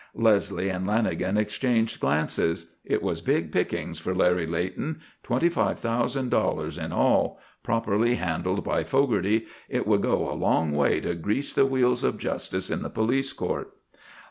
Leslie and Lanagan exchanged glances. It was big pickings for Larry Leighton. Twenty five thousand dollars in all; properly handled by Fogarty, it would go a long way to grease the wheels of justice in the police court.